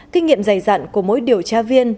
kinh nghiệm dày dặn của mỗi điều tra viên